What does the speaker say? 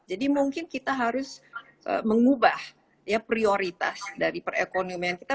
jadi mungkin kita harus mengubah prioritas dari perekonomian kita